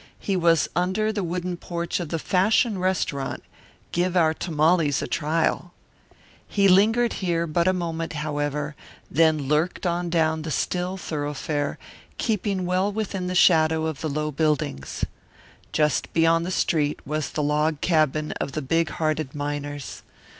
He was under the wooden porch of the Fashion Restaurant Give our Tamales a Trial. He lingered here but a moment, however, then lurked on down the still thoroughfare, keeping well within the shadow of the low buildings. Just beyond the street was the log cabin of the big hearted miners.